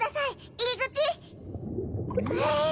入り口！わ！